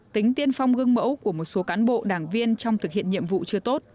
tính tiên phong gương mẫu của một số cán bộ đảng viên trong thực hiện nhiệm vụ chưa tốt